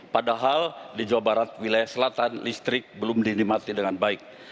padahal di jawa barat wilayah selatan listrik belum dinikmati dengan baik